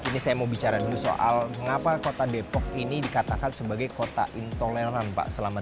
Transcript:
ini saya mau bicara dulu soal mengapa kota depok ini dikatakan sebagai kota intoleran pak selama